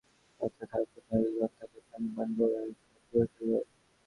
সাথে থাকা নারীগণ তাকে পানি পান করায়, ক্ষত পরিস্কার করে।